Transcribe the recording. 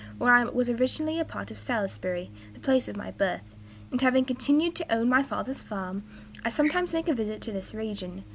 Where I am was originally a part of Salisbury, the place of my birth; and, having continued to own my father's farm, I sometimes make a visit to this region.